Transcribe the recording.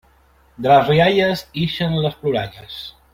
De les rialles ixen les ploralles.